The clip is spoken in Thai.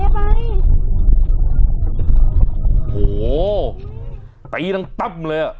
เหยไปอุ้ยเหยไปโอ้โหตีตั้งตั้มเลยอ่ะ